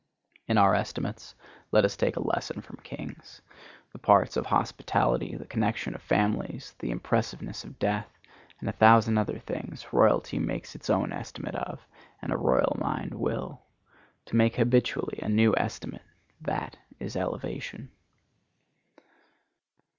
In our estimates let us take a lesson from kings. The parts of hospitality, the connection of families, the impressiveness of death, and a thousand other things, royalty makes its own estimate of, and a royal mind will. To make habitually a new estimate,—that is elevation.